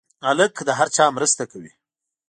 هلک د هر چا مرسته کوي.